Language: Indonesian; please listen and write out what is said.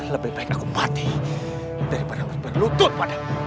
lebih baik aku mati daripada berlutut padamu